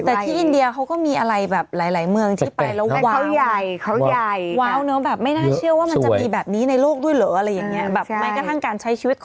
แต่ที่อินเดียเขาก็มีอะไรแบบหลายเมืองที่ไปแล้วว้าวใหญ่